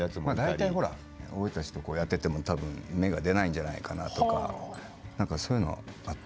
大体俺たちとやってても多分芽が出ないんじゃないかなとか何かそういうのあった。